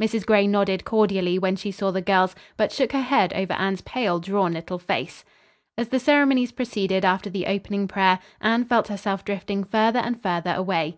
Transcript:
Mrs. Gray nodded cordially when she saw the girls, but shook her head over Anne's pale, drawn little face. As the ceremonies proceeded after the opening prayer, Anne felt herself drifting further and further away.